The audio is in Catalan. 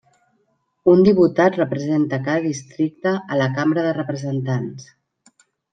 Un diputat representa cada districte a la Cambra de Representants.